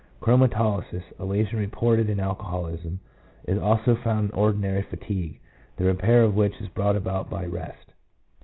Chromatolysis, a lesion reported in alcoholism, is also found in ordinary fatigue, the repair of which is brought about by rest.